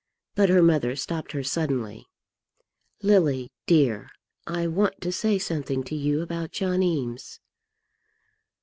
But her mother stopped her suddenly, "Lily, dear, I want to say something to you about John Eames."